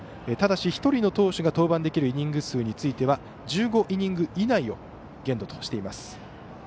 ただし、１人の投手が登板できるイニング数については１５イニング以内を限度としています。